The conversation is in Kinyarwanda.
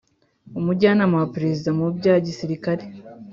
umujyanama wa perezida mubya gisirikare